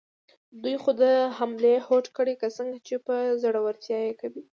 دوی خو د حملې هوډ کړی، که څنګه، چې په زړورتیا یې کوي؟